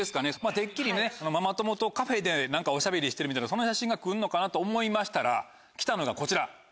てっきりママ友とカフェでおしゃべりしてるみたいなそんな写真が来るのかなと思いましたら来たのがこちら。